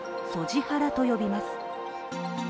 ハラと呼びます。